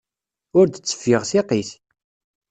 Ur d-teffiɣ tiqit.